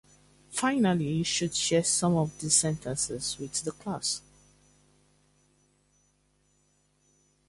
Finally, you should share some of these sentences with the class.